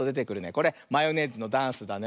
これマヨネーズのダンスだね。